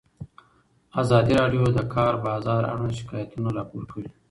ازادي راډیو د د کار بازار اړوند شکایتونه راپور کړي.